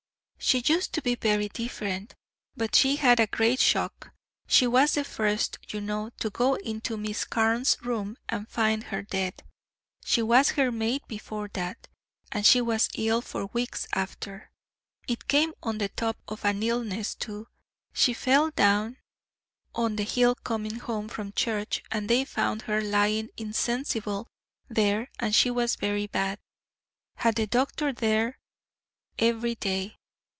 "She used to be very different, but she had a great shock. She was the first, you know, to go into Miss Carne's room and find her dead. She was her maid before that, and she was ill for weeks after. It came on the top of an illness, too. She fell down on the hill coming home from church, and they found her lying insensible there, and she was very bad had the doctor there every day.